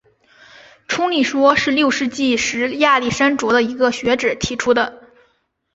冲力说是六世纪时亚历山卓的一个学者提出的。